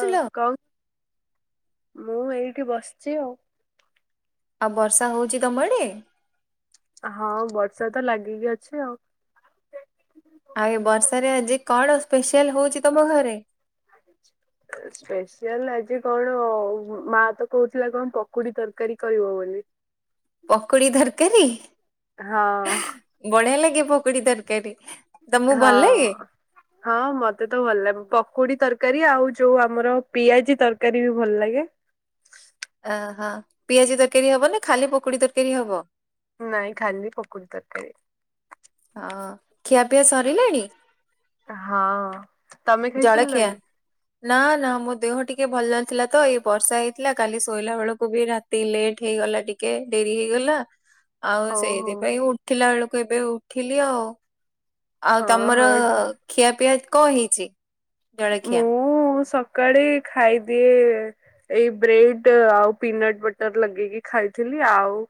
ଥିଲ ମୁଁ ଏଇଠି ବସିଚି ଆଉ। ଆଉ ବର୍ଷା ହଉଚି ତମଆଡ଼େ? ହଁ ବର୍ଷା ତ ଲାଗିକି ଅଛି ଆଉ। ଆଉ ଏ ବର୍ଷାରେ ଆଜି କଣ ସ୍ପେଶାଲ୍ ହଉଚି ତମ ଘରେ? [inaudible] ସ୍ପେଶିଆଲ୍ ଆଜି କଣ, ମା ତ କହୁଥିଲା କଣ ପକୁଡି ତରକାରୀ କରିବ ବୋଲି। [inaudible] ପକୋଡି ଧରକାରୀ ହଁ ବଢିଆ ଲାଗେ ପକୋଡି ତରକାରୀ। ତମକୁ ଭଲ ଲାଗେ? ହଁ। ହଁ ମତେ ତ ଭଲ ଲାଗେ ପକୁଡି ତରକାରୀ ଆଉ ଯୋଉ ଆମର ପିଆଜି ତରକାରୀ ବି ଭଲ ଲାଗେ। ଆହା ପିଆଜି ତରକାରୀ ହବନି ଖାଲି ପକୁଡି ତରକାରୀ ହବ। ନାଇ ଖାଲି ପକୁଡ଼ି ତରକାରୀ। ହଁ ଖିଆପିଆ ସରିଲାଣି ହଁ ତମେ ଜଳଖିଆ? ଖାଇସାରିଲଣି ନା ନା ମୋ ଦେହ ଟିକେ ଭଲ ନଥିଲା ତ ଏଇ ବର୍ଷା ହେଇଥିଲା କାଲି ଶୋଇଲା ବେଳକୁ ବି ରା ତି ଲେଟ୍ ହେଇଗଲା ଟିକେ ଡେରି ହେଇଗଲା। [inaudible] ଆଉ ଓହୋ ସେଇଥିପାଇଁ ଉଠିଲା ବେଳକୁ ଏବେ ଉଠିଲି ଆଉ। ଆଉ ହଁ ତମର ହଁ ଖିଆପିଆ କଣ ହେଇଚି ଜଳଖିଆ? କାଡି ଖାଇଦିଏ। ଏଇ ବ୍ରେଡ ଆଉ ପିନଟ ବଟର ଲଗେଇକି ଖାଇଥିଲି ଆଉ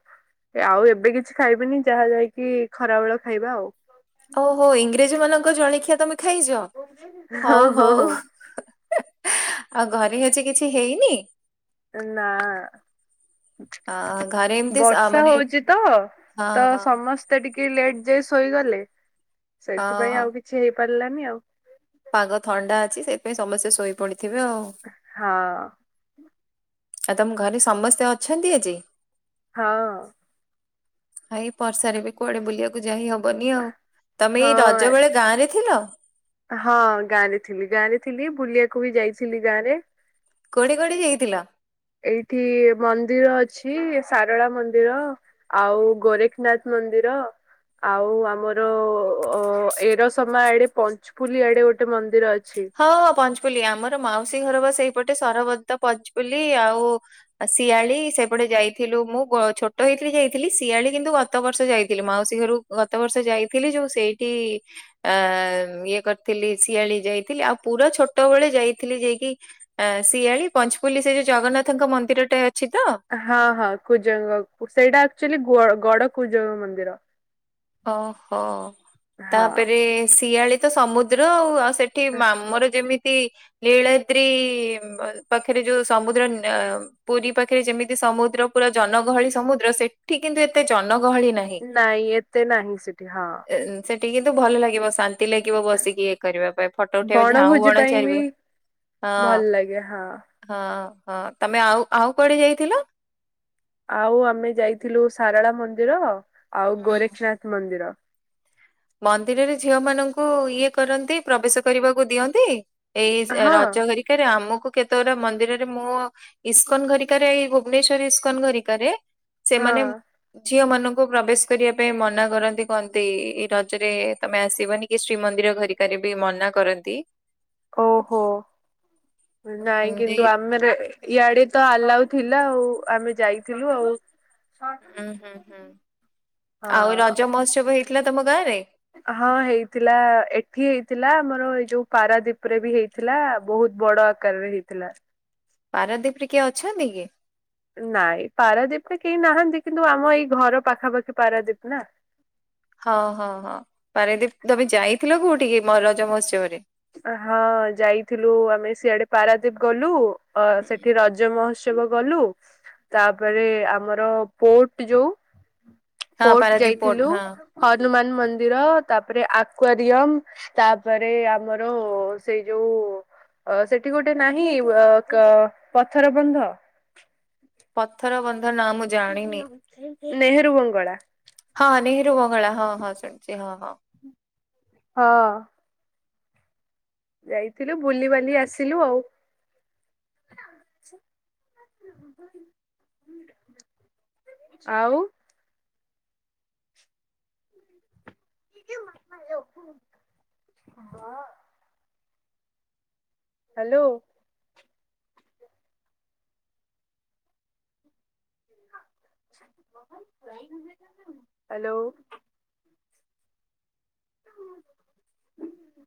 ଆଉ ଏବେ କିଛି ଖାଇବିନି ଯାହା ଯାଇକି ଖରାବେଳ ଖାଇବା ଆଉ। ଓହୋ ଇଂରେଜ ମାନଙ୍କ ଜଳଖିଆ ତମେ ଖାଇଚ ହଁ ହଉ ହଁ ହଉ। ହଁ ଆ ଘରେ ଆଜି କିଛି ହେଇନି? ଏ ନାଁ। ଆ ଘରେ ଏମିତି ସ ଆ, ବର୍ଷା ମାନେ ହଉଚି ତ ହଁ ତ ହଁ ସମସ୍ତ ମତେ ଟିକେ ଲେଟ୍ ଯାଇ ଶୋଇଗଲେ ହଁ ସେଇଥିପାଇଁ ହଁ ଆଉ କିଛି ହେଇପାରିଲାନି ଆଉ। ପାଗ ଥଣ୍ଡା ଅଛି ସେଥିପାଇଁ ସମସ୍ତେ ଶୋଇପଡିଥିବେ ଆଉ। ହଁ। ଆଉ ତମ ଘରେ ସମସ୍ତେ ଅଛନ୍ତି ଆଜି ହଁ। ଭାଇ ବର୍ଷାରେ ବି କୁଆଡେ ବୁଲିବାକୁ ଯାଇ ହବନି ଆଉ ତମେ ଏଇ ହଁ ରଜ ବେଳେ ଗାଁ ରେ ଥିଲ ହଁ ଗାଁରେ ଥିଲି ଗାରେ ଥିଲି ବୁଲିବାକୁ ବି ଯାଇଥିଲି ଗାଁ ରେ। କୋଉଠି କୋଉଠି ଯାଇଥିଲା? ଏଇଠି ମନ୍ଦିର ଅଛି ସାରଳା ମନ୍ଦିର। ଆଉ ଗୋରେଖନାଥ ମନ୍ଦିର ଆଉ ଆମର ଅ ଏରସମା ଆଡେ ପଞ୍ଚପୁଲି ଆଡେ ଗୋଟେ ମନ୍ଦିର ଅଛି। ହଁ ହଁ ପଞ୍ଚପୁଲି ଆମର ମାଉସୀ ଘର ବା ସେଇପଟେ ସରବଦ୍ତ ପଞ୍ଚପୁଲି ଆଉ ଆ ଶିଆଳି ସେପଟେ ଯାଇଥିଲୁ ମୁଁ ଗ ଛୋଟ ହେଇଥିଲି ଯାଇଥିଲି ଶିଆଳି କିନ୍ତୁ ଗତ ବର୍ଷ ଯାଇଥିଲି ମାଉସୀ ଘରୁ ଗତ ବର୍ଷ ଯାଇଥିଲି ଯୋଉ ସେଇଠି ଆ ଇଏ କରିଥିଲି ଶିଆଳି ଯାଇ ଥିଲି ଆଉ ପୁରା ଛୋଟବେଳେ ଯାଇଥିଲି ଯାଇକି ଆ ଶିଆଳି ପଞ୍ଚପଲ୍ଲି ସେ ଯୋଉ ଜଗନ୍ନାଥଙ୍କ ମନ୍ଦିର ଟେ ଅଛି ତ। ହଁ ହଁ କୁଜଙ୍ଗ ସେଇଟା ଆକ୍ଚୁଲି ଗ ଗଡ କୁଜଙ୍ଗ ମନ୍ଦିର। ଓହୋ ହଁ ତାପରେ ଶିଆଳି ତ ସମୁଦ୍ର ଆଉ ଆଶ୍ ସେଠି ମାମୁଁର ଯେମି ତି ଲୀଳଦ୍ରୀ ପାଖରେ ଯୋଉ ସମୁଦ୍ର ନ ପୁରୀ ପାଖରେ ଯେମିତି ସମୁଦ୍ର ପୁରା ଜନଗହଳି ସମୁଦ୍ର ସେଠି କିନ୍ତୁ ଏତେ ଜନଗହଳି ନାହିଁ। ନାଇଁ ଏତେ ନାହିଁ ସେଠି ହଁ। ସେଠି କିନ୍ତୁ ଭଲ ଲାଗିବ ସାନ୍ ନ୍ତି ଲାଗିବ ବସିକି ଇଏ କରିବା ପାଇଁ ଫଟୋ ଉଠେଇବା ଝାଉଁ ବଣଭୋଜି ବଣ ପାଇଁ ବି ଚାରିବୁ। ଭଲ ଲାଗେ ହଁ। ହଁ ହଁ ତମେ ଆଉ ଆଉ କୁଆଡେ ଯାଇଥିଲ? ଆଉ ଆମେ ଯାଇଥିଲୁ ସାରଳା ମନ୍ଦିର ଆଉ ହୁଁ ଗୋରେଖୀନାଥ ମନ୍ଦିର। ମନ୍ଦିରରେ ଝିଅ ମାନଙ୍କୁ ଇଏ କରନ୍ତି ପ୍ରବେଶ କରିବାକୁ ଦିଅନ୍ତି। ଏଇ ହଁ ରଜ ହେରିକାରେ ଆମକୁ କେତେଗୁଡା ମନ୍ଦିରରେ ମୁଁ ଇସ୍କନ ଘରିକାରେ ଏଇ ଭୁବନେଶର ଇସ୍କନ ଘରିକାରେ ହଁ ସେମାନେ ଝିଅ ମାନଙ୍କୁ ପ୍ରବେଶ କରିବା ପାଇଁ ମନା କରନ୍ତି କହନ୍ତି ରଜ ରେ ତମେ ଆସିବନି କି ଶ୍ରୀମନ୍ଦିର ଘରିକାରେ ବି ମନା କରନ୍ତି। ଓହୋ ହୁଁ ନାଇଁ ଏଇ କିନ୍ତୁ ଆମେରେ ଇଆଡେ ତ ଆଲାଉ ଥିଲା ଆଉ ଆମେ ଯାଇଥିଲୁ ଆଉ। ଉୁଁ ହୁଁ ହୁଁ ଆଉ ହଁ ରଜ ମହୋତ୍ସବ ହେଇଥିଲା ତମ ଗାଁ ରେ? ହଁ ହେଇଥିଲା ଏଠି ହେଇଥିଲା ଆମର ଏଇ ଯୋଉ ପାରାଦୀପ ରେ ବି ହେଇ ଥିଲା ବହୁତ ବଡ ଆକାରରେ ହେଇଥିଲା। ପାରାଦୀପ ରେ କିଏ ଅଛନ୍ତି କି? ନାଇଁ ପାରାଦୀପ ରେ କେହି ନାହାନ୍ତି କିନ୍ତୁ ଆମ ଏଇ ଘର ପାଖାପାଖି ପାରାଦୀପ ନା। ହଁ ହଁ ହଁ ପାରାଦୀପ ତମେ ଯାଇଥିଲ କୋଉଠିକି ରଜ ମହୋତ୍ସବରେ? ହଁ ଯାଇଥିଲୁ ଆମେ ସିଆଡେ ପାରାଦୀପ ଗଲୁ ହୁଁ, ସେଠି ରଜ ମୋହୋଚ୍ଛବ। ଚବ ଗଲୁ ତାପରେ ଆମର ପୋଟ ଯୋଉ ହଁ କୋଟ ପାରାଦୀପ ପୋର୍ଟ ଯାଇଥିଲୁ। ହଁ। ହନୁମାନ ମନ୍ଦିର ତାପରେ ଆକ୍ୱାରିୟମ ତାପରେ ଆମର ର ସେଇ ଯୋଉ ଅ ସେଠି ଗୋଟେ ନାହିଁ ଅ କ ପଥର ବନ୍ଧ। ପଥର ବନ୍ଧ ନା ମୁଁ ଜାଣିନି ନେହେରୁ ବଙ୍ଗଳା। ହଁ ନେହେରୁ ବଙ୍ଗଳା ହଁ ହଁ ଶୁଣିଛି ହଁ ହଁ। ହଁ। ଯାଇଥିଲୁ ବୁଲିବାଲି ଆସିଲୁ ଆଉ। ଆଉ ହଁ। ହ୍ୟାଲୋ। ହ୍ୟାଲୋ। ହଁ।